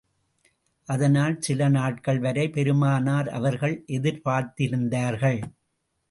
அதனால் சில நாட்கள் வரை பெருமானார் அவர்கள் எதிர்பார்த்திருந்தார்கள்.